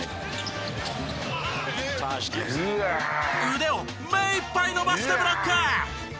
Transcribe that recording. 腕をめいっぱい伸ばしてブロック！